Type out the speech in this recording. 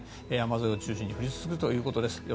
山沿いを中心に降り続くということです。